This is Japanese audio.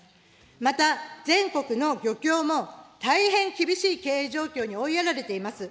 また、全国の漁協も大変厳しい経営状況に追いやられています。